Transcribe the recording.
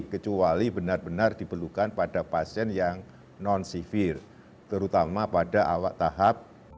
kecuali benar benar diperlukan pada pasien yang non sivir terutama pada awal tahap